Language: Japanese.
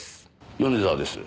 米沢です。